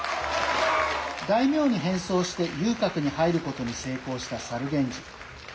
大名に変装して遊郭に入ることに成功した猿源氏。